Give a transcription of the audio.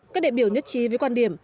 các đệ biểu nhất trí với quan điểm